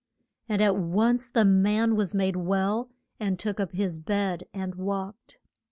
And at once the man was made well, and took up his bed, and walked.